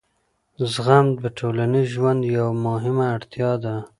زغم د ټولنیز ژوند یوه مهمه اړتیا ده.